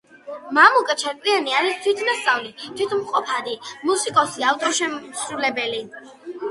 მამუკა ჩარკვიანი არის თვითნასწავლი, თვითმყოფადი მუსიკოსი, ავტორ-შემსრულებელი.